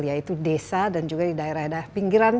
yaitu desa dan juga di daerah daerah pinggiran